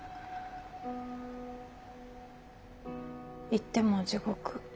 言っても地獄。